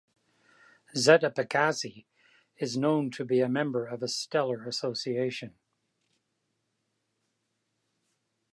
Zeta Pegasi is not known to be a member of a stellar association.